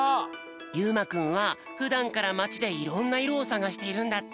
ゆうまくんはふだんからまちでいろんないろをさがしているんだって。